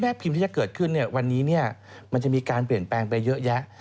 พิมพ์ที่จะเกิดขึ้นเนี่ยวันนี้มันจะมีการเปลี่ยนแปลงไปเยอะแยะ